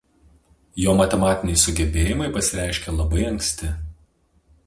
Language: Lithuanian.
Jo matematiniai sugebėjimai pasireiškė labai anksti.